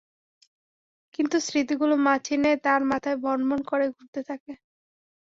কিন্তু স্মৃতিগুলো মাছির ন্যায় তাঁর মাথায় ভন ভন করে ঘুরতে থাকে।